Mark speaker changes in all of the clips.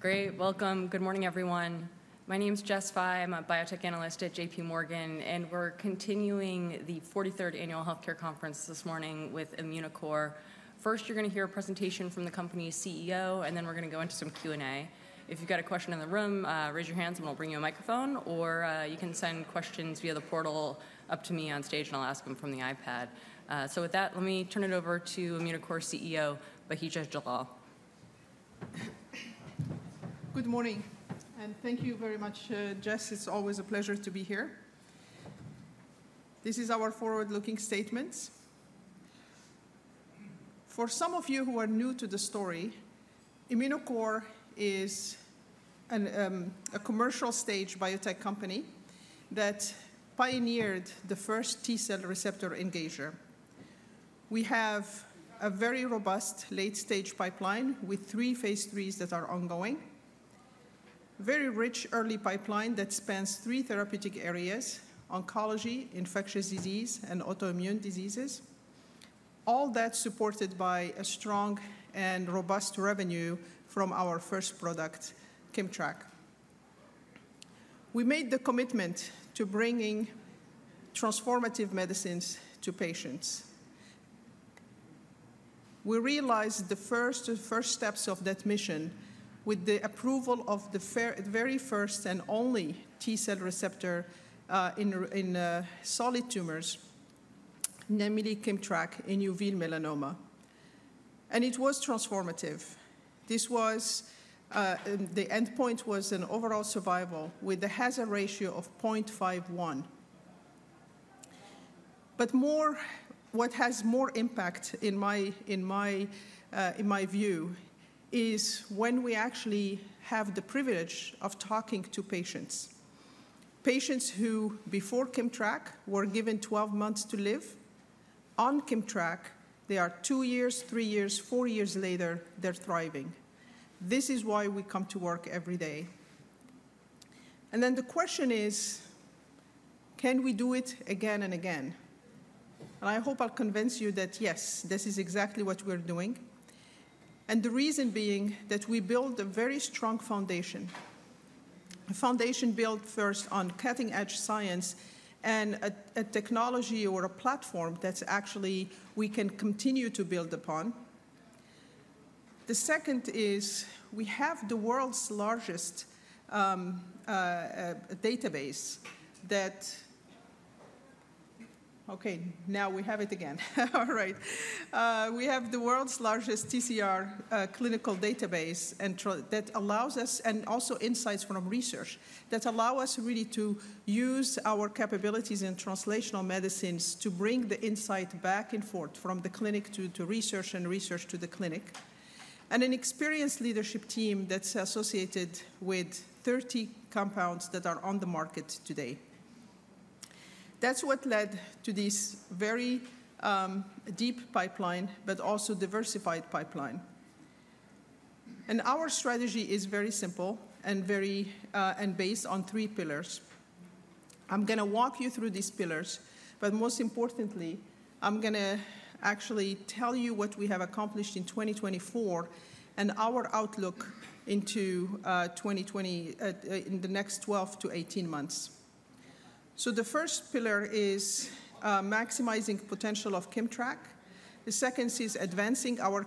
Speaker 1: Great. Welcome. Good morning, everyone. My name's Jess Fye. I'm a Biotech Analyst at J.P. Morgan, and we're continuing the 43rd Annual Healthcare Conference this morning with Immunocore. First, you're going to hear a presentation from the company's CEO, and then we're going to go into some Q&A. If you've got a question in the room, raise your hands and we'll bring you a microphone, or you can send questions via the portal up to me on stage, and I'll ask them from the iPad. So with that, let me turn it over to Immunocore CEO, Bahija Jallal.
Speaker 2: Good morning, and thank you very much, Jess. It's always a pleasure to be here. This is our forward-looking statement. For some of you who are new to the story, Immunocore is a commercial-stage biotech company that pioneered the first T-cell receptor engager. We have a very robust late-stage pipeline with three phase IIIs that are ongoing. Very rich early pipeline that spans three therapeutic areas: Oncology, Infectious Disease, and Autoimmune Diseases. All that supported by a strong and robust revenue from our first product, KIMMTRAK. We made the commitment to bringing transformative medicines to patients. We realized the first steps of that mission with the approval of the very first and only T-cell receptor in solid tumors, namely KIMMTRAK in uveal melanoma. And it was transformative. The endpoint was an overall survival with a hazard ratio of 0.51. But what has more impact, in my view, is when we actually have the privilege of talking to patients. Patients who, before KIMMTRAK, were given 12 months to live. On KIMMTRAK, they are two years, three years, four years later, they're thriving. This is why we come to work every day. And then the question is, can we do it again and again? And I hope I'll convince you that yes, this is exactly what we're doing. And the reason being that we built a very strong foundation. A foundation built first on cutting-edge science and a technology or a platform that actually we can continue to build upon. The second is we have the world's largest database that... Okay, now we have it again. All right. We have the world's largest TCR clinical database that allows us, and also insights from research that allow us really to use our capabilities in translational medicines to bring the insight back and forth from the clinic to research and research to the clinic. And an experienced leadership team that's associated with 30 compounds that are on the market today. That's what led to this very deep pipeline, but also diversified pipeline. And our strategy is very simple and based on three pillars. I'm going to walk you through these pillars, but most importantly, I'm going to actually tell you what we have accomplished in 2024 and our outlook into 2025 in the next 12-18 months. So the first pillar is maximizing the potential of KIMMTRAK. The second is advancing our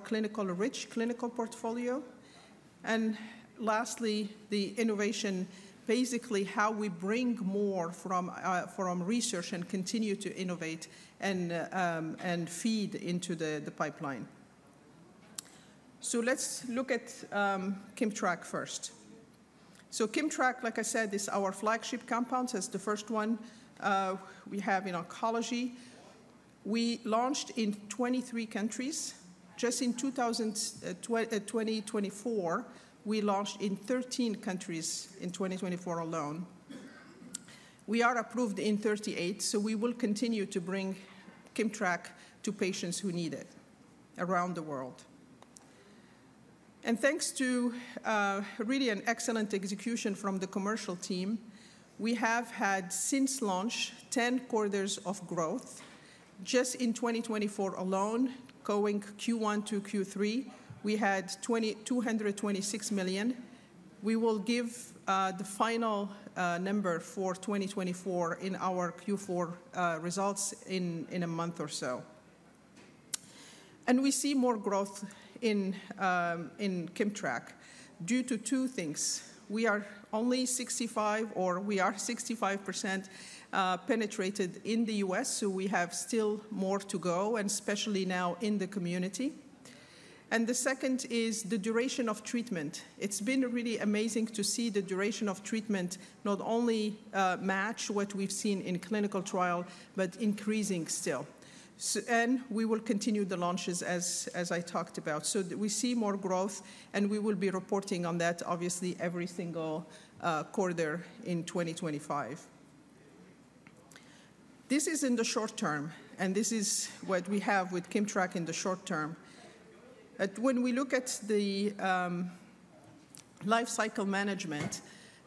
Speaker 2: rich clinical portfolio. Lastly, the innovation, basically how we bring more from research and continue to innovate and feed into the pipeline. Let's look at KIMMTRAK first. KIMMTRAK, like I said, is our flagship compound. It's the first one we have in oncology. We launched in 23 countries. Just in 2024, we launched in 13 countries in 2024 alone. We are approved in 38, so we will continue to bring KIMMTRAK to patients who need it around the world. And thanks to really an excellent execution from the commercial team, we have had since launch 10 quarters of growth. Just in 2024 alone, going Q1 to Q3, we had $226 million. We will give the final number for 2024 in our Q4 results in a month or so. We see more growth in KIMMTRAK due to two things. We are only 65% or we are 65% penetrated in the U.S., so we have still more to go, and especially now in the community. And the second is the duration of treatment. It's been really amazing to see the duration of treatment not only match what we've seen in clinical trial, but increasing still. And we will continue the launches as I talked about. So we see more growth, and we will be reporting on that, obviously, every single quarter in 2025. This is in the short term, and this is what we have with KIMMTRAK in the short term. When we look at the life cycle management,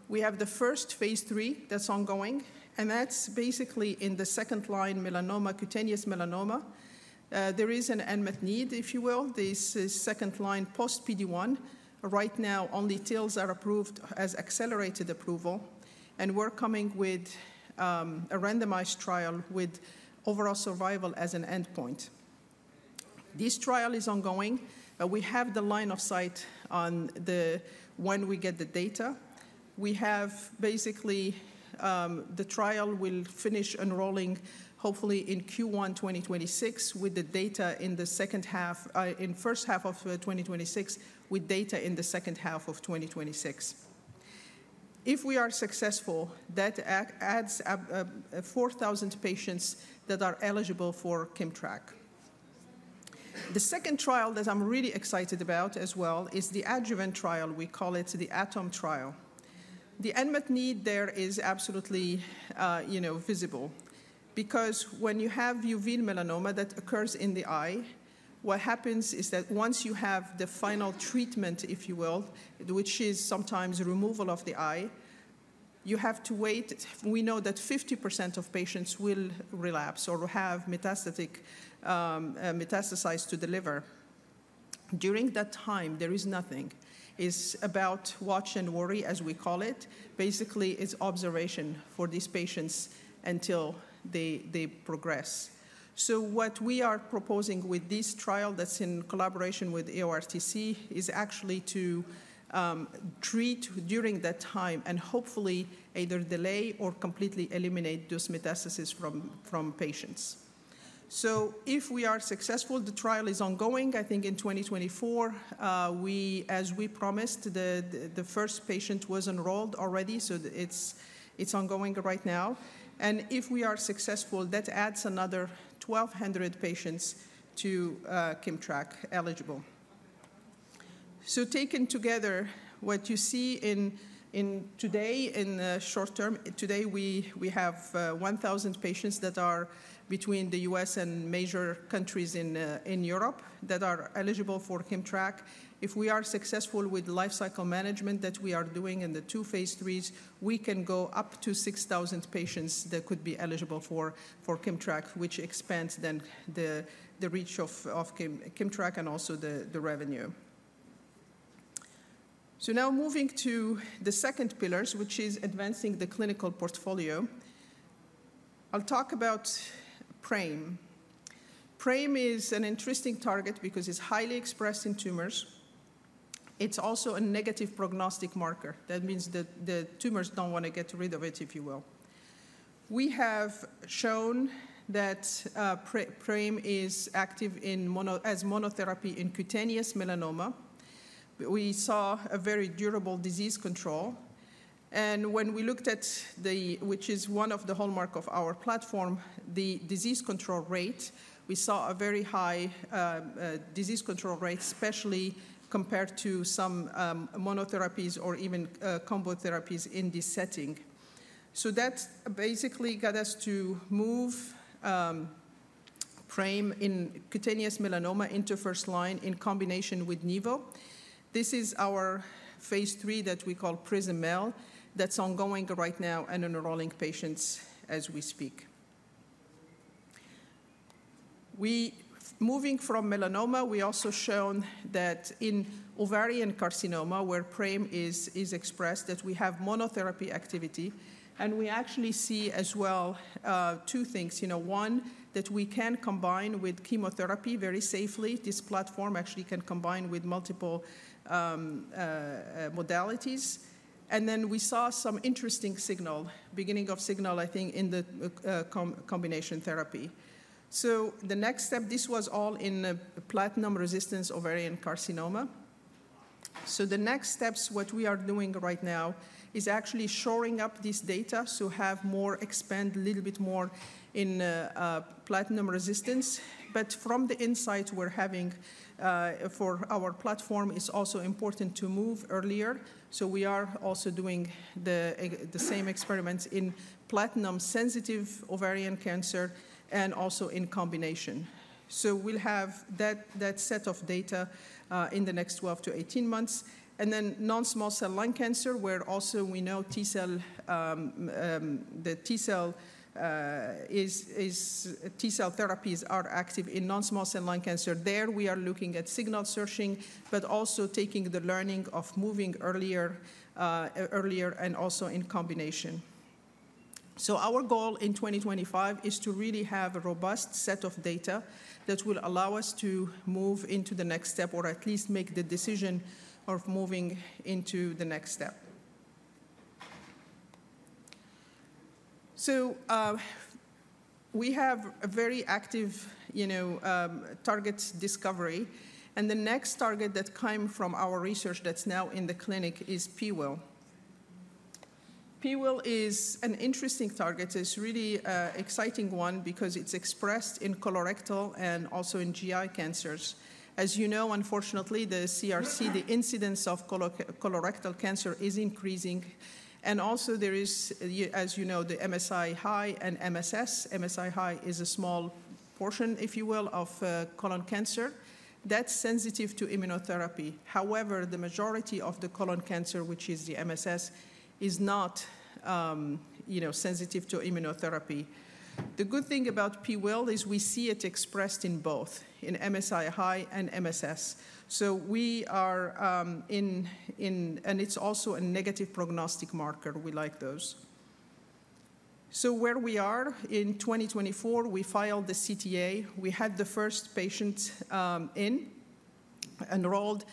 Speaker 2: we have the first phase III that's ongoing, and that's basically in the second-line melanoma, cutaneous melanoma. There is an unmet need, if you will. This is second-line post-PD-1. Right now, only TILs are approved as accelerated approval, and we're coming with a randomized trial with overall survival as an endpoint. This trial is ongoing. We have the line of sight on when we get the data. We have basically the trial will finish enrolling, hopefully, in Q1 2026 with the data in the second half, in the first half of 2026, with data in the second half of 2026. If we are successful, that adds 4,000 patients that are eligible for KIMMTRAK. The second trial that I'm really excited about as well is the adjuvant trial. We call it the ATOM trial. The unmet need there is absolutely visible because when you have uveal melanoma that occurs in the eye, what happens is that once you have the final treatment, if you will, which is sometimes removal of the eye, you have to wait. We know that 50% of patients will relapse or have metastasized to the liver. During that time, there is nothing. It's about watch and worry, as we call it. Basically, it's observation for these patients until they progress, so what we are proposing with this trial that's in collaboration with EORTC is actually to treat during that time and hopefully either delay or completely eliminate those metastases from patients, so if we are successful, the trial is ongoing. I think in 2024, as we promised, the first patient was enrolled already, so it's ongoing right now, and if we are successful, that adds another 1,200 patients to KIMMTRAK eligible, so taken together, what you see today in the short term, today we have 1,000 patients that are between the U.S. and major countries in Europe that are eligible for KIMMTRAK. If we are successful with life cycle management that we are doing in the two phase IIIs, we can go up to 6,000 patients that could be eligible for KIMMTRAK, which expands then the reach of KIMMTRAK and also the revenue. So now moving to the second pillar, which is advancing the clinical portfolio. I'll talk about PRAME. PRAME is an interesting target because it's highly expressed in tumors. It's also a negative prognostic marker. That means that the tumors don't want to get rid of it, if you will. We have shown that PRAME is active as monotherapy in cutaneous melanoma. We saw a very durable disease control. And when we looked at the, which is one of the hallmarks of our platform, the disease control rate, we saw a very high disease control rate, especially compared to some monotherapies or even combo therapies in this setting. That basically got us to move PRAME in Cutaneous Melanoma into first line in combination with Nivo. This is our phase III that we call PRISM-MEL. That's ongoing right now and enrolling patients as we speak. Moving from melanoma, we also showed that in ovarian carcinoma where PRAME is expressed, that we have monotherapy activity. And we actually see as well two things. One, that we can combine with chemotherapy very safely. This platform actually can combine with multiple modalities. And then we saw some interesting signal, beginning of signal, I think, in the combination therapy. So the next step, this was all in platinum-resistant ovarian carcinoma. So the next steps, what we are doing right now, is actually shoring up this data to have more expand a little bit more in platinum resistance. But from the insight we're having for our platform, it's also important to move earlier. So we are also doing the same experiments in platinum-sensitive ovarian cancer and also in combination. So we'll have that set of data in the next 12-18 months. And then non-small cell lung cancer, where also we know the T-cell therapies are active in non-small cell lung cancer. There we are looking at signal searching, but also taking the learning of moving earlier and also in combination. So our goal in 2025 is to really have a robust set of data that will allow us to move into the next step or at least make the decision of moving into the next step. So we have a very active target discovery. And the next target that came from our research that's now in the clinic is PIWIL. PIWIL is an interesting target. It's really an exciting one because it's expressed in colorectal and also in GI cancers. As you know, unfortunately, the CRC, the incidence of colorectal cancer is increasing, and also there is, as you know, the MSI-High and MSS. MSI-High is a small portion, if you will, of colon cancer that's sensitive to immunotherapy. However, the majority of the colon cancer, which is the MSS, is not sensitive to immunotherapy. The good thing about PIWIL is we see it expressed in both, in MSI-High and MSS. So we are in, and it's also a negative prognostic marker. We like those, so where we are in 2024, we filed the CTA. We had the first patient enrolled.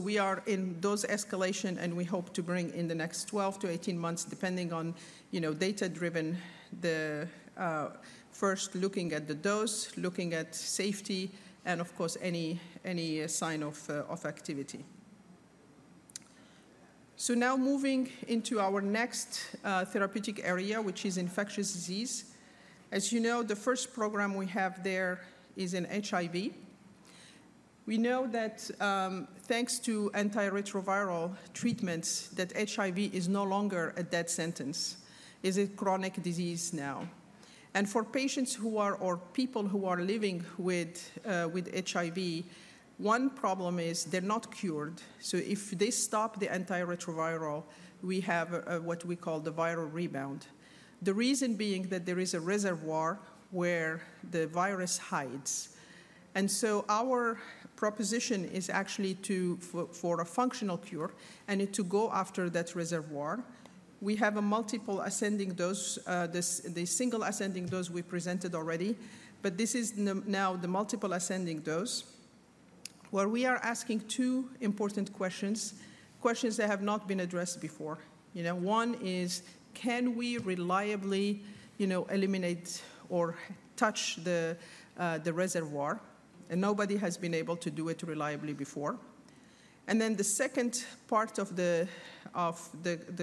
Speaker 2: We are in dose escalation, and we hope to bring in the next 12-18 months, depending on data-driven, first looking at the dose, looking at safety, and of course, any sign of activity. Now moving into our next therapeutic area, which is infectious disease. As you know, the first program we have there is in HIV. We know that thanks to antiretroviral treatments, that HIV is no longer a death sentence. It's a chronic disease now. And for patients who are or people who are living with HIV, one problem is they're not cured. So if they stop the antiretroviral, we have what we call the viral rebound. The reason being that there is a reservoir where the virus hides. And so our proposition is actually for a functional cure and to go after that reservoir. We have a multiple ascending dose. The single ascending dose we presented already, but this is now the multiple ascending dose where we are asking two important questions, questions that have not been addressed before. One is, can we reliably eliminate or touch the reservoir? And nobody has been able to do it reliably before. And then the second part of the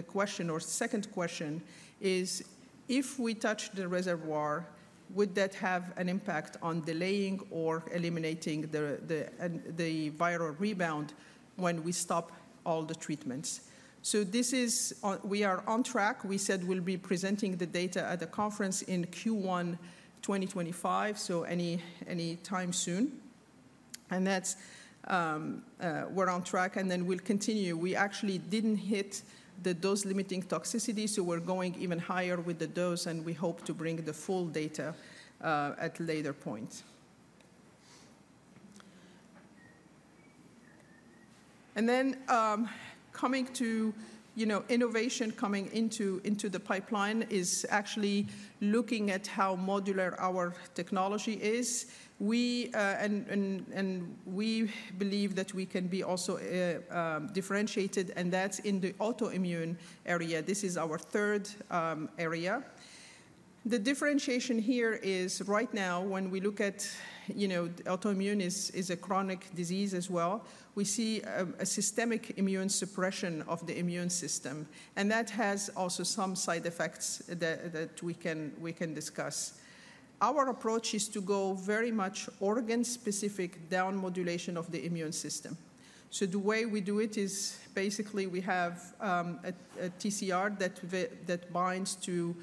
Speaker 2: question or second question is, if we touch the reservoir, would that have an impact on delaying or eliminating the viral rebound when we stop all the treatments? So we are on track. We said we'll be presenting the data at the conference in Q1 2025, so any time soon. And we're on track. And then we'll continue. We actually didn't hit the dose-limiting toxicity, so we're going even higher with the dose, and we hope to bring the full data at a later point. And then, coming to innovation coming into the pipeline, is actually looking at how modular our technology is. And we believe that we can be also differentiated, and that's in the autoimmune area. This is our third area. The differentiation here is right now, when we look at autoimmune is a chronic disease as well, we see a systemic immune suppression of the immune system. And that has also some side effects that we can discuss. Our approach is to go very much organ-specific down modulation of the immune system. So the way we do it is basically we have a TCR that binds to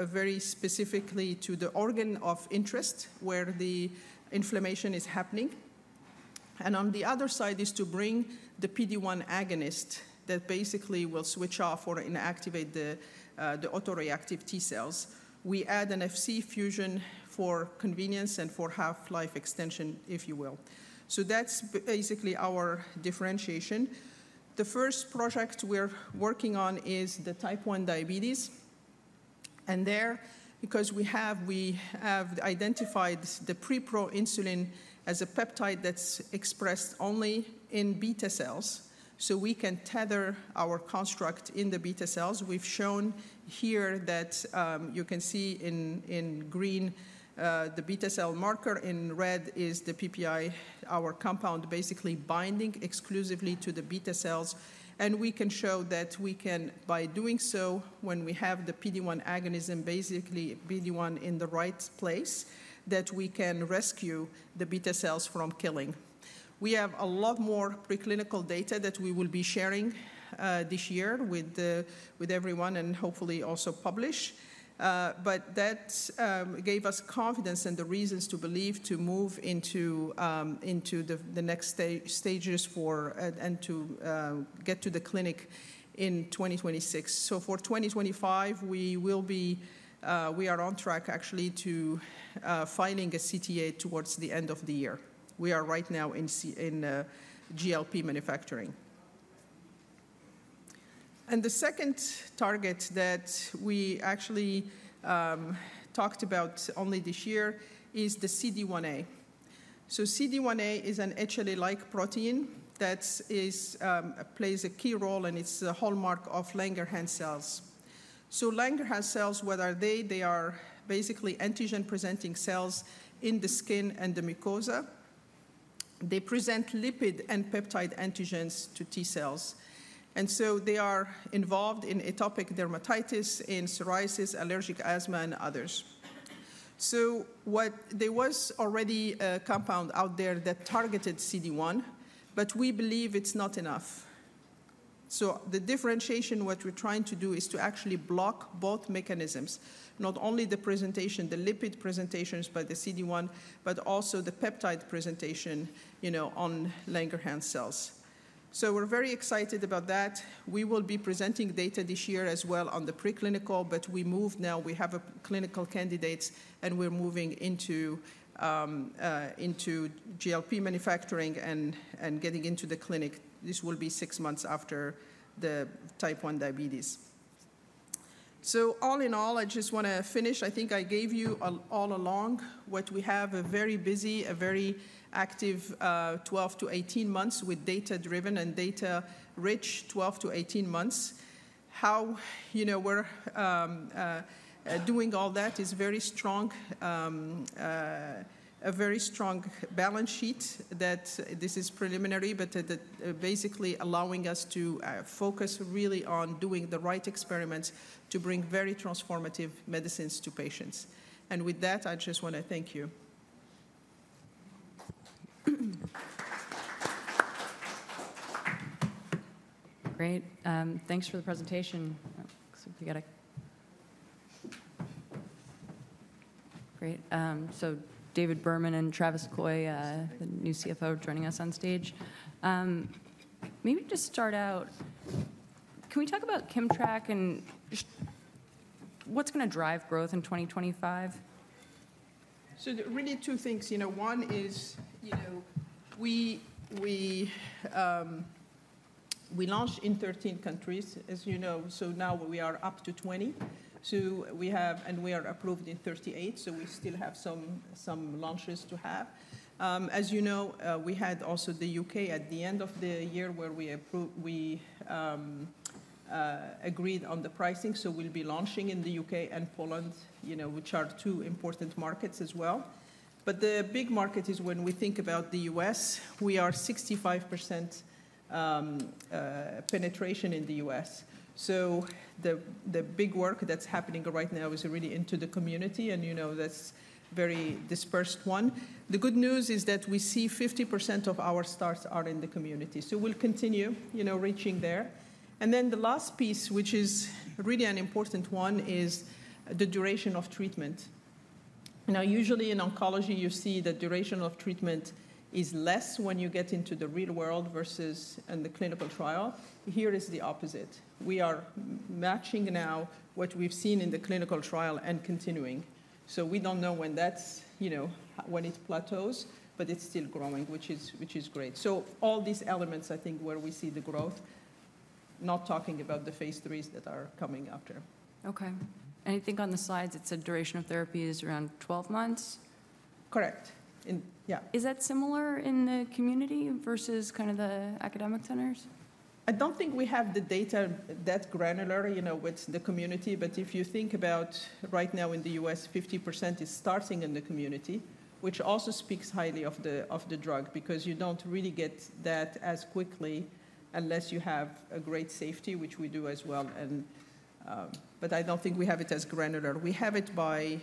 Speaker 2: very specifically to the organ of interest where the inflammation is happening. And on the other side is to bring the PD-1 agonist that basically will switch off or inactivate the autoreactive T-cells. We add an Fc fusion for convenience and for half-life extension, if you will. So that's basically our differentiation. The first project we're working on is the Type 1 Diabetes. And there, because we have identified the preproinsulin as a peptide that's expressed only in beta cells, so we can tether our construct in the beta cells. We've shown here that you can see in green the beta cell marker. In red is the PPI, our compound basically binding exclusively to the beta cells. And we can show that we can, by doing so, when we have the PD-1 agonism, basically PD-1 in the right place, that we can rescue the beta cells from killing. We have a lot more preclinical data that we will be sharing this year with everyone and hopefully also publish. But that gave us confidence and the reasons to believe to move into the next stages and to get to the clinic in 2026. So for 2025, we are on track actually to filing a CTA towards the end of the year. We are right now in GLP manufacturing. And the second target that we actually talked about only this year is the CD1a. So CD1a is an HLA-like protein that plays a key role and it's a hallmark of Langerhans cells. So Langerhans cells, what are they? They are basically antigen-presenting cells in the skin and the mucosa. They present lipid and peptide antigens to T-cells. And so they are involved in atopic dermatitis, in psoriasis, allergic asthma, and others. So there was already a compound out there that targeted CD1a, but we believe it's not enough. So the differentiation, what we're trying to do is to actually block both mechanisms, not only the presentation, the lipid presentations by the CD1a, but also the peptide presentation on Langerhans cells. We're very excited about that. We will be presenting data this year as well on the preclinical, but we moved now. We have clinical candidates and we're moving into GLP manufacturing and getting into the clinic. This will be six months after the Type 1 Diabetes. All in all, I just want to finish. I think I gave you all along what we have a very busy, a very active 12-18 months with data-driven and data-rich 12-18 months. How we're doing all that is very strong, a very strong balance sheet that this is preliminary, but basically allowing us to focus really on doing the right experiments to bring very transformative medicines to patients. And with that, I just want to thank you.
Speaker 1: Great. Thanks for the presentation. So David Berman and Travis Coy, the new CFO, joining us on stage. Maybe just start out. Can we talk about KIMMTRAK and what's going to drive growth in 2025?
Speaker 2: So really two things. One is we launched in 13 countries, as you know. So now we are up to 20. And we are approved in 38, so we still have some launches to have. As you know, we had also the U.K. at the end of the year where we agreed on the pricing. So we'll be launching in the U.K. and Poland, which are two important markets as well. But the big market is when we think about the U.S., we are 65% penetration in the U.S. So the big work that's happening right now is really into the community, and that's a very dispersed one. The good news is that we see 50% of our starts are in the community. So we'll continue reaching there. And then the last piece, which is really an important one, is the duration of treatment. Now, usually in oncology, you see the duration of treatment is less when you get into the real world versus in the clinical trial. Here is the opposite. We are matching now what we've seen in the clinical trial and continuing. So we don't know when it plateaus, but it's still growing, which is great. So all these elements, I think, where we see the growth, not talking about the phase IIIs that are coming after.
Speaker 1: Okay. I think on the slides, it's a duration of therapy is around 12 months.
Speaker 2: Correct. Yeah.
Speaker 1: Is that similar in the community versus kind of the academic centers?
Speaker 2: I don't think we have the data that granular with the community. But if you think about right now in the U.S., 50% is starting in the community, which also speaks highly of the drug because you don't really get that as quickly unless you have a great safety, which we do as well. But I don't think we have it as granular. We have it by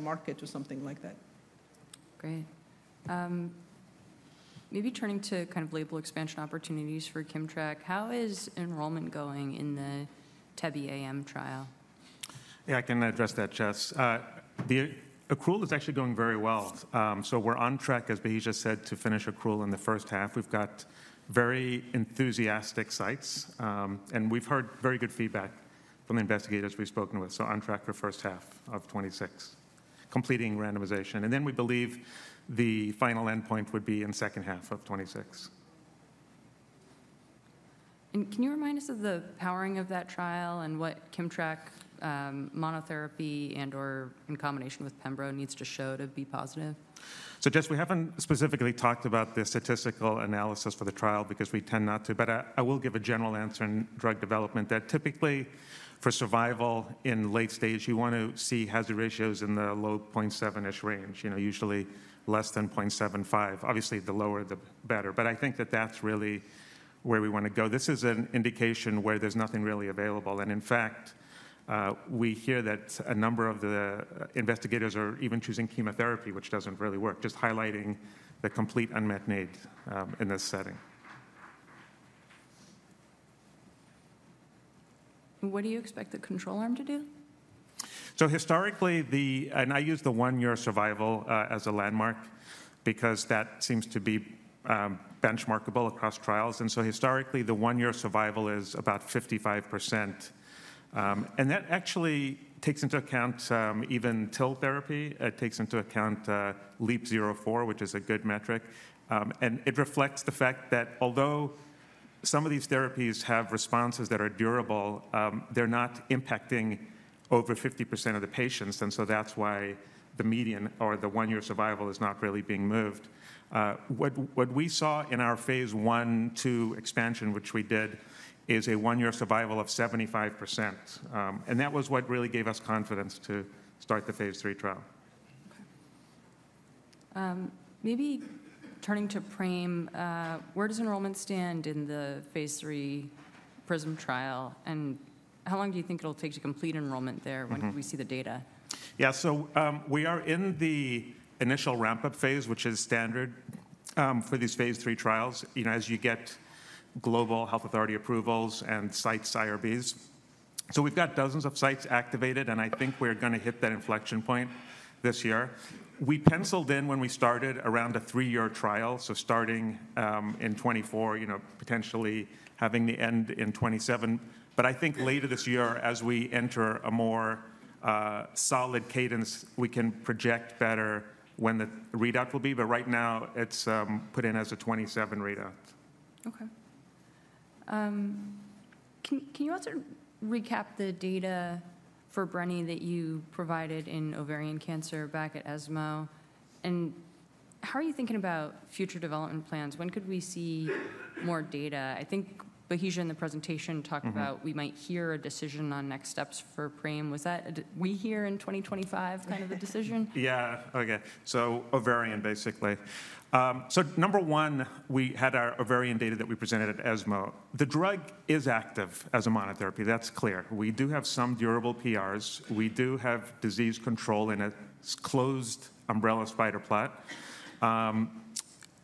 Speaker 2: market or something like that.
Speaker 1: Great. Maybe turning to kind of label expansion opportunities for KIMMTRAK. How is enrollment going in the TEBE-AM trial?
Speaker 3: Yeah, I can address that, Jess. Accrual is actually going very well. So we're on track, as Bahija said, to finish accrual in the first half. We've got very enthusiastic sites, and we've heard very good feedback from the investigators we've spoken with. So on track for first half of 2026, completing randomization. And then we believe the final endpoint would be in the second half of 2026.
Speaker 1: Can you remind us of the powering of that trial and what KIMMTRAK monotherapy and/or in combination with Pembro needs to show to be positive?
Speaker 3: So Jess, we haven't specifically talked about the statistical analysis for the trial because we tend not to. But I will give a general answer in drug development that typically for survival in late stage, you want to see hazard ratios in the low 0.7-ish range, usually less than 0.75. Obviously, the lower, the better. But I think that that's really where we want to go. This is an indication where there's nothing really available. And in fact, we hear that a number of the investigators are even choosing chemotherapy, which doesn't really work, just highlighting the complete unmet need in this setting.
Speaker 1: What do you expect the control arm to do?
Speaker 3: So, historically, and I use the one-year survival as a landmark because that seems to be benchmarkable across trials. And so historically, the one-year survival is about 55%. And that actually takes into account even TIL therapy. It takes into account LEAP-004, which is a good metric. And it reflects the fact that although some of these therapies have responses that are durable, they're not impacting over 50% of the patients. And so that's why the median or the one-year survival is not really being moved. What we saw in our phase 1 expansion, which we did, is a one-year survival of 75%. And that was what really gave us confidence to start the phase 3 trial.
Speaker 1: Okay. Maybe turning to PRAME, where does enrollment stand in the phase III PRISM trial? And how long do you think it'll take to complete enrollment there when we see the data?
Speaker 3: Yeah, so we are in the initial ramp-up phase, which is standard for these phase three trials as you get global health authority approvals and sites' IRBs. So we've got dozens of sites activated, and I think we're going to hit that inflection point this year. We penciled in when we started around a three-year trial, so starting in 2024, potentially having the end in 2027. But I think later this year, as we enter a more solid cadence, we can project better when the readout will be. But right now, it's put in as a 2027 readout.
Speaker 1: Okay. Can you also recap the data for brenetafusp that you provided in ovarian cancer back at ESMO? And how are you thinking about future development plans? When could we see more data? I think Bahija in the presentation talked about we might hear a decision on next steps for PRAME. Was that we hear in 2025 kind of the decision?
Speaker 3: Yeah. Okay. So ovarian, basically. So number one, we had our ovarian data that we presented at ESMO. The drug is active as a monotherapy. That's clear. We do have some durable PRs. We do have disease control in a closed umbrella spider plot.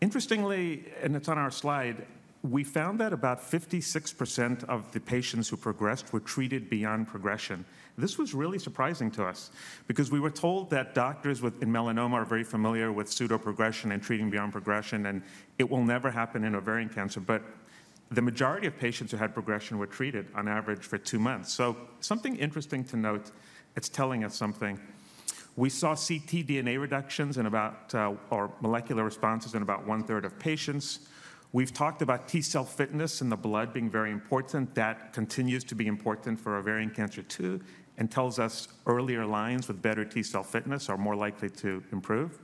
Speaker 3: Interestingly, and it's on our slide, we found that about 56% of the patients who progressed were treated beyond progression. This was really surprising to us because we were told that doctors within melanoma are very familiar with pseudoprogression and treating beyond progression, and it will never happen in ovarian cancer. But the majority of patients who had progression were treated on average for two months. So something interesting to note, it's telling us something. We saw CT DNA reductions in about or molecular responses in about one-third of patients. We've talked about T-cell fitness in the blood being very important. That continues to be important for ovarian cancer too, and tells us earlier lines with better T-cell fitness are more likely to improve.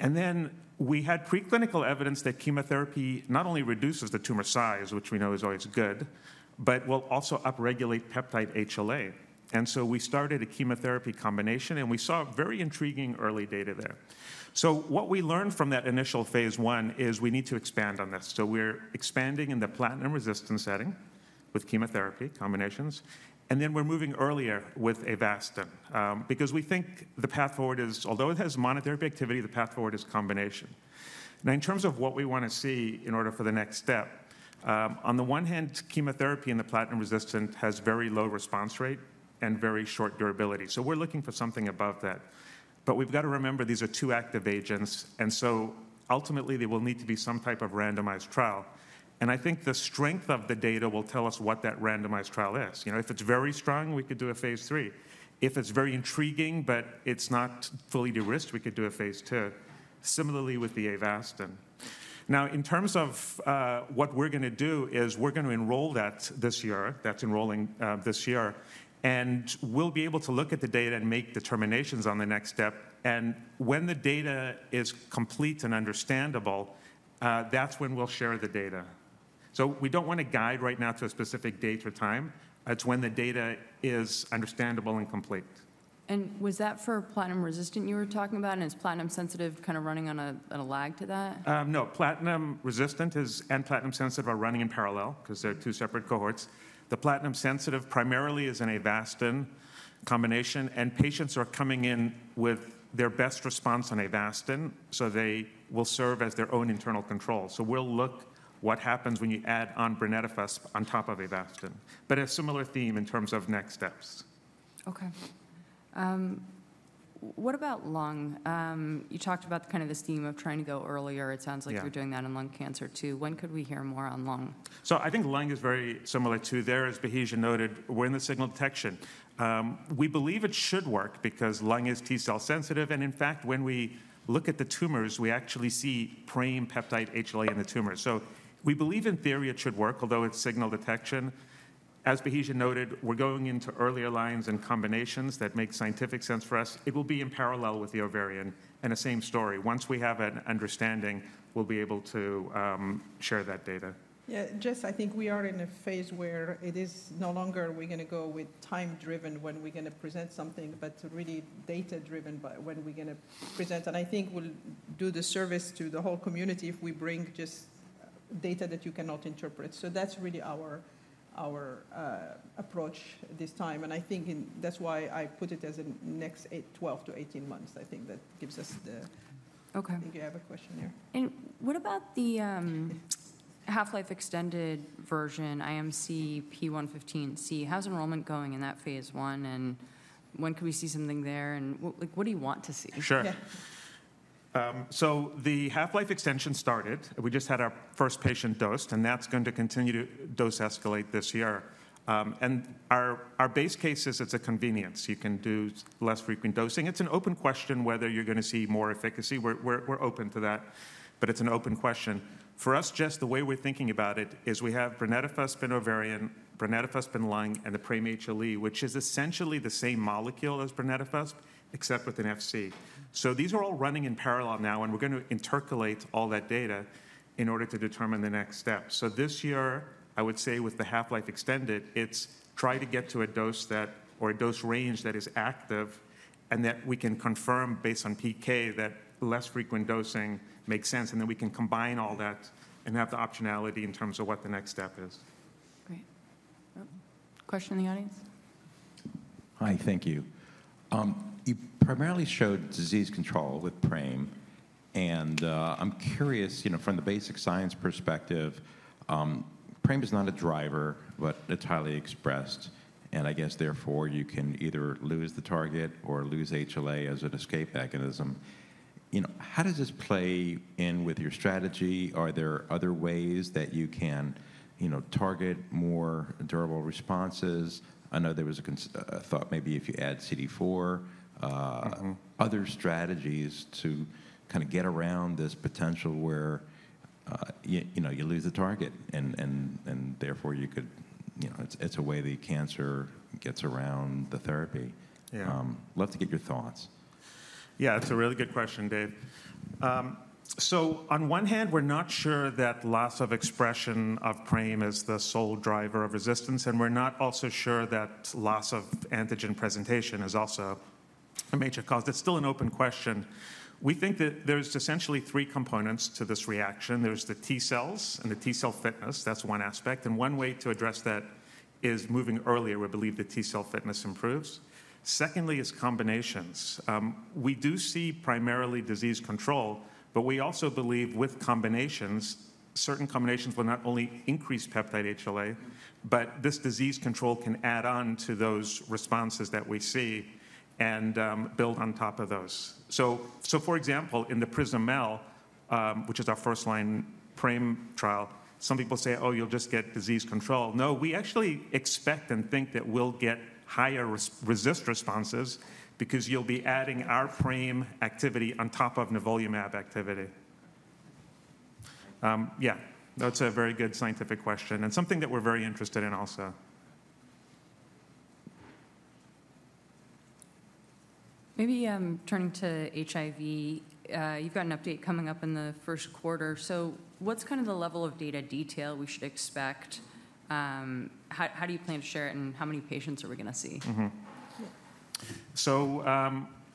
Speaker 3: And then we had preclinical evidence that chemotherapy not only reduces the tumor size, which we know is always good, but will also upregulate peptide HLA. And so we started a chemotherapy combination, and we saw very intriguing early data there. So what we learned from that initial phase I is we need to expand on this. So we're expanding in the platinum-resistant setting with chemotherapy combinations. And then we're moving earlier with Avastin because we think the path forward is, although it has monotherapy activity, the path forward is combination. Now, in terms of what we want to see in order for the next step, on the one hand, chemotherapy in the platinum-resistant has very low response rate and very short durability. We're looking for something above that. But we've got to remember these are two active agents. And so ultimately, there will need to be some type of randomized trial. And I think the strength of the data will tell us what that randomized trial is. If it's very strong, we could do a phase three. If it's very intriguing, but it's not fully de-risked, we could do a phase II. Similarly with the Avastin. Now, in terms of what we're going to do is we're going to enroll that this year. That's enrolling this year. And we'll be able to look at the data and make determinations on the next step. And when the data is complete and understandable, that's when we'll share the data. So we don't want to guide right now to a specific date or time. It's when the data is understandable and complete.
Speaker 1: And was that for platinum-resistant you were talking about? And is platinum-sensitive kind of running on a lag to that?
Speaker 3: No. Platinum-resistant and platinum-sensitive are running in parallel because they're two separate cohorts. The platinum-sensitive primarily is an Avastin combination. And patients are coming in with their best response on Avastin, so they will serve as their own internal control. So we'll look at what happens when you add on brenetafusp on top of Avastin. But a similar theme in terms of next steps.
Speaker 1: Okay. What about lung? You talked about kind of this theme of trying to go earlier. It sounds like you're doing that in lung cancer too. When could we hear more on lung?
Speaker 3: So, I think lung is very similar too. There, as Bahija noted, we're in the signal detection. We believe it should work because lung is T-cell sensitive. And in fact, when we look at the tumors, we actually see PRAME peptide HLA in the tumors. So we believe in theory it should work, although it's signal detection. As Bahija noted, we're going into earlier lines and combinations that make scientific sense for us. It will be in parallel with the ovarian and the same story. Once we have an understanding, we'll be able to share that data.
Speaker 2: Yeah. Jess, I think we are in a phase where it is no longer we're going to go with time-driven when we're going to present something, but really data-driven when we're going to present, and I think we'll do the service to the whole community if we bring just data that you cannot interpret, so that's really our approach this time, and I think that's why I put it as a next 12-18 months. I think that gives us the.
Speaker 1: Okay.
Speaker 2: I think you have a question here.
Speaker 1: And what about the half-life extended version, IMC-P115C? How's enrollment going in that phase one? And when could we see something there? And what do you want to see?
Speaker 3: Sure. So the half-life extension started. We just had our first patient dosed, and that's going to continue to dose escalate this year. And our base case is it's a convenience. You can do less frequent dosing. It's an open question whether you're going to see more efficacy. We're open to that, but it's an open question. For us, Jess, the way we're thinking about it is we have brenetafusp in ovarian, brenetafusp in lung, and the PRAME HLE, which is essentially the same molecule as brenetafusp, except with an Fc. So these are all running in parallel now, and we're going to interpolate all that data in order to determine the next step. This year, I would say with the half-life extended, it's try to get to a dose that or a dose range that is active and that we can confirm based on PK that less frequent dosing makes sense. And then we can combine all that and have the optionality in terms of what the next step is.
Speaker 1: Great. Question in the audience? Hi. Thank you. You primarily showed disease control with PRAME, and I'm curious, from the basic science perspective, PRAME is not a driver, but it's highly expressed, and I guess therefore you can either lose the target or lose HLA as an escape mechanism. How does this play in with your strategy? Are there other ways that you can target more durable responses? I know there was a thought maybe if you add CD4, other strategies to kind of get around this potential where you lose the target and therefore you could, it's a way the cancer gets around the therapy. I'd love to get your thoughts.
Speaker 3: Yeah, it's a really good question, Dave. So on one hand, we're not sure that loss of expression of PRAME is the sole driver of resistance. And we're not also sure that loss of antigen presentation is also a major cause. It's still an open question. We think that there's essentially three components to this reaction. There's the T-cells and the T-cell fitness. That's one aspect. And one way to address that is moving earlier. We believe the T-cell fitness improves. Secondly is combinations. We do see primarily disease control, but we also believe with combinations, certain combinations will not only increase peptide HLA, but this disease control can add on to those responses that we see and build on top of those. For example, in the PRISM-MEL, which is our first-line PRAME trial, some people say, "Oh, you'll just get disease control." No, we actually expect and think that we'll get higher response rates because you'll be adding our PRAME activity on top of nivolumab activity. Yeah, that's a very good scientific question and something that we're very interested in also.
Speaker 1: Maybe turning to HIV, you've got an update coming up in the first quarter. So what's kind of the level of data detail we should expect? How do you plan to share it and how many patients are we going to see?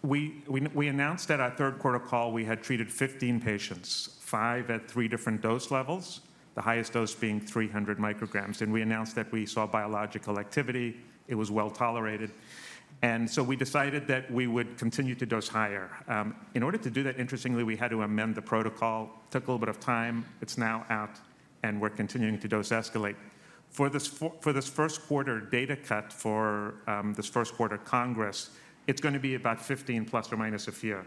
Speaker 3: We announced at our third quarter call, we had treated 15 patients, five at three different dose levels, the highest dose being 300 micrograms. We announced that we saw biological activity. It was well tolerated. We decided that we would continue to dose higher. In order to do that, interestingly, we had to amend the protocol. It took a little bit of time. It's now out, and we're continuing to dose escalate. For this first quarter data cut for this first quarter congress, it's going to be about 15 plus or minus a few.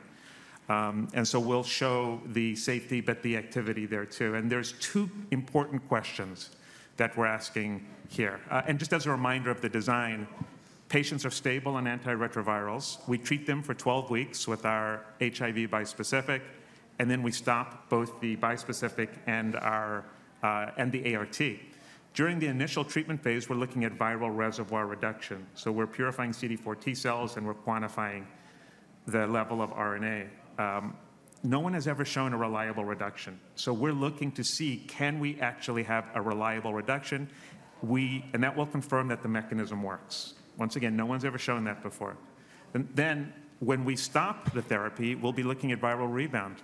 Speaker 3: We'll show the safety, but the activity there too. There's two important questions that we're asking here. Just as a reminder of the design, patients are stable on antiretrovirals. We treat them for 12 weeks with our HIV bispecific, and then we stop both the bispecific and the ART. During the initial treatment phase, we're looking at viral reservoir reduction. So we're purifying CD4 T-cells and we're quantifying the level of RNA. No one has ever shown a reliable reduction. So we're looking to see, can we actually have a reliable reduction? And that will confirm that the mechanism works. Once again, no one's ever shown that before. Then when we stop the therapy, we'll be looking at viral rebound.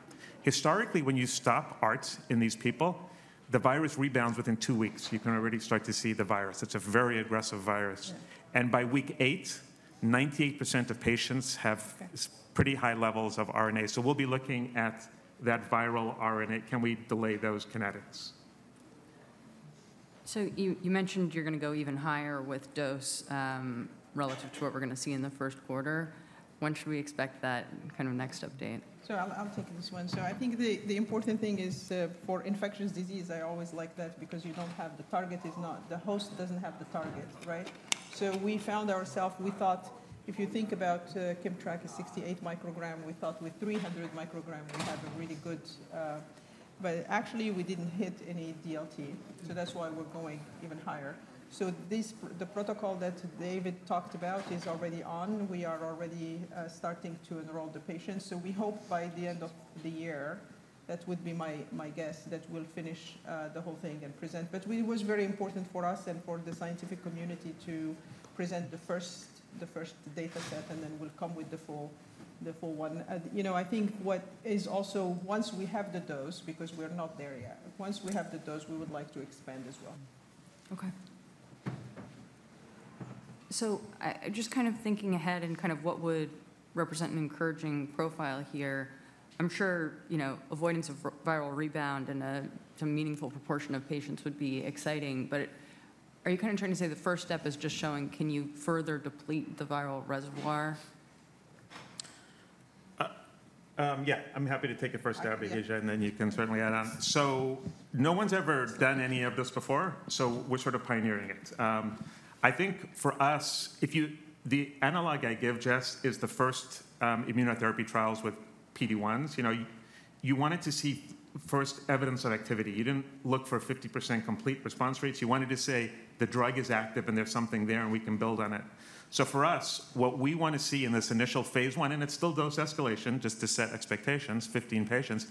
Speaker 3: Historically, when you stop ART in these people, the virus rebounds within two weeks. You can already start to see the virus. It's a very aggressive virus. And by week eight, 98% of patients have pretty high levels of RNA. So we'll be looking at that viral RNA. Can we delay those kinetics?
Speaker 1: So you mentioned you're going to go even higher with dose relative to what we're going to see in the first quarter. When should we expect that kind of next update?
Speaker 2: So I'll take this one. I think the important thing is for infectious disease, I always like that because you don't have the target; the host doesn't have the target, right? We found ourselves; we thought if you think about KIMMTRAK is 68 micrograms, we thought with 300 micrograms we have a really good, but actually we didn't hit any DLT. That's why we're going even higher. The protocol that David talked about is already on. We are already starting to enroll the patients. We hope by the end of the year, that would be my guess, that we'll finish the whole thing and present. But it was very important for us and for the scientific community to present the first data set, and then we'll come with the full one. I think what is also, once we have the dose, because we're not there yet, we would like to expand as well.
Speaker 1: Okay, so just kind of thinking ahead and kind of what would represent an encouraging profile here, I'm sure avoidance of viral rebound and a meaningful proportion of patients would be exciting, but are you kind of trying to say the first step is just showing can you further deplete the viral reservoir?
Speaker 3: Yeah, I'm happy to take a first stab, Bahija, and then you can certainly add on. So no one's ever done any of this before, so we're sort of pioneering it. I think for us, the analog I give, Jess, is the first immunotherapy trials with PD-1s. You wanted to see first evidence of activity. You didn't look for 50% complete response rates. You wanted to say the drug is active and there's something there and we can build on it. So for us, what we want to see in this initial phase one, and it's still dose escalation just to set expectations, 15 patients,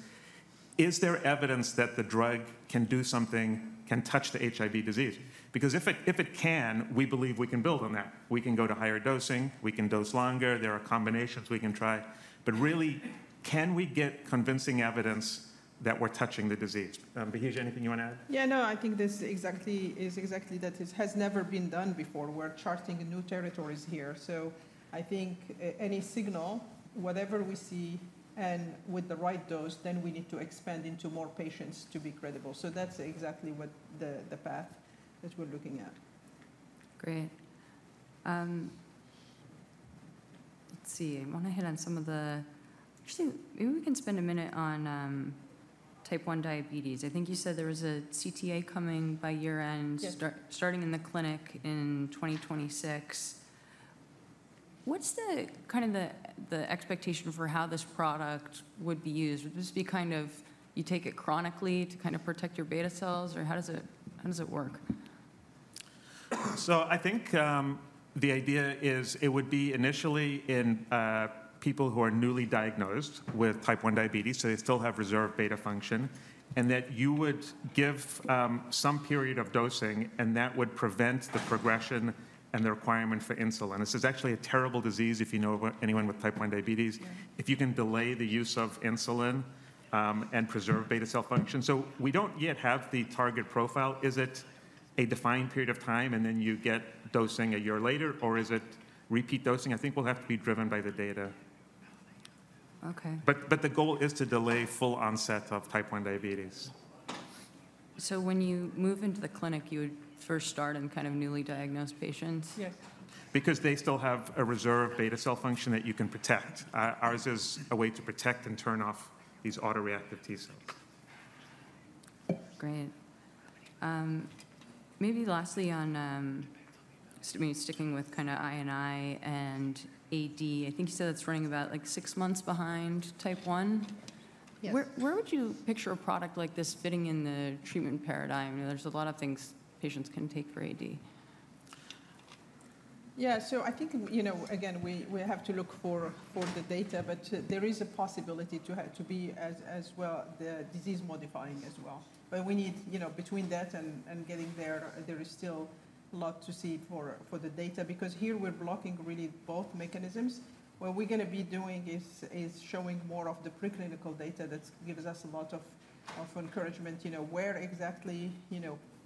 Speaker 3: is there evidence that the drug can do something, can touch the HIV disease? Because if it can, we believe we can build on that. We can go to higher dosing. We can dose longer. There are combinations we can try. But really, can we get convincing evidence that we're touching the disease? Bahija, anything you want to add?
Speaker 2: Yeah, no, I think this is exactly that. It has never been done before. We're charting new territories here. So I think any signal, whatever we see, and with the right dose, then we need to expand into more patients to be credible. So that's exactly the path that we're looking at.
Speaker 1: Great. Let's see. I want to hit on some of the actually, maybe we can spend a minute on Type 1 Diabetes. I think you said there was a CTA coming by year-end, starting in the clinic in 2026. What's kind of the expectation for how this product would be used? Would this be kind of you take it chronically to kind of protect your Beta cells, or how does it work?
Speaker 3: I think the idea is it would be initially in people who are newly diagnosed with Type 1 Diabetes, so they still have residual beta cell function, and that you would give some period of dosing, and that would prevent the progression and the requirement for insulin. This is actually a terrible disease if you know anyone with Type 1 Diabetes. If you can delay the use of insulin and preserve beta cell function. We don't yet have the target profile. Is it a defined period of time and then you get dosing a year later, or is it repeat dosing? I think we'll have to be driven by the data.
Speaker 1: Okay.
Speaker 3: But the goal is to delay full onset of Type 1 Diabetes.
Speaker 1: When you move into the clinic, you would first start in kind of newly diagnosed patients?
Speaker 2: Yes.
Speaker 3: Because they still have a reserve beta cell function that you can protect. Ours is a way to protect and turn off these autoreactive T-cells.
Speaker 1: Great. Maybe lastly on sticking with kind of INI and AD, I think you said it's running about like six months behind Type 1. Where would you picture a product like this fitting in the treatment paradigm? There's a lot of things patients can take for AD.
Speaker 2: Yeah, so I think, again, we have to look for the data, but there is a possibility to be as well disease modifying as well, but we need between that and getting there, there is still a lot to see for the data. Because here we're blocking really both mechanisms. What we're going to be doing is showing more of the preclinical data that gives us a lot of encouragement. Where exactly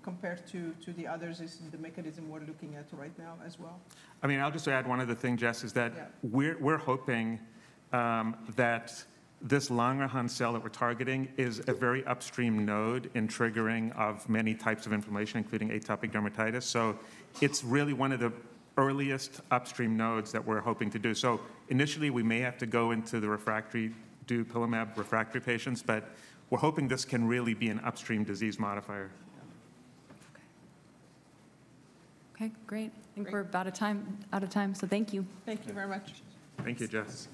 Speaker 2: compared to the others is the mechanism we're looking at right now as well?
Speaker 3: I mean, I'll just add one other thing, Jess, is that we're hoping that this Langerhans cell that we're targeting is a very upstream node in triggering of many types of inflammation, including atopic dermatitis. So it's really one of the earliest upstream nodes that we're hoping to do. So initially, we may have to go into the refractory dupilumab refractory patients, but we're hoping this can really be an upstream disease modifier.
Speaker 1: Okay. Okay, great. I think we're about out of time, so thank you.
Speaker 2: Thank you very much.
Speaker 3: Thank you, Jess.